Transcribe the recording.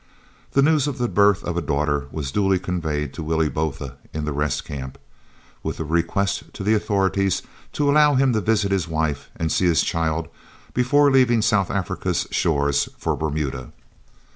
The news of the birth of a daughter was duly conveyed to Willie Botha in the Rest Camp, with a request to the authorities to allow him to visit his wife and see his child before leaving South Africa's shores for Bermuda.